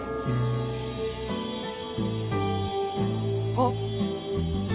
あっ。